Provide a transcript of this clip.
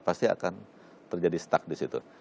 pasti akan terjadi stuck di situ